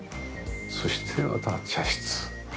そしてまた茶室。